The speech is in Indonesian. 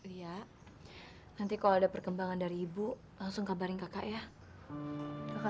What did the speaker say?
iya nanti kalau ada perkembangan dari ibu langsung kabarin kakak ya